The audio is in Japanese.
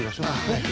ねっ。